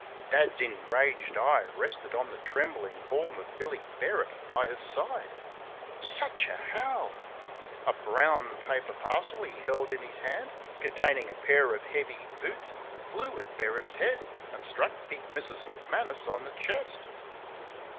Dad's enraged eye rested on the trembling form of Billy Bearup by her side. Such a howl! A brown paper parcel he held in his hand, containing a pair of heavy boots, flew at Bearup's head and struck big Mrs. McManus on the chest.